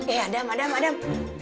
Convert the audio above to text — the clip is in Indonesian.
eh adam adam adam